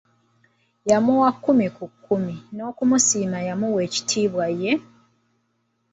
N'amuwa kkumi ku kkumi, n'okumusiima yamuwa ekitiibwa ye.